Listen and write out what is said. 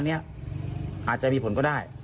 อันนี้อาจจะมีผลก็ได้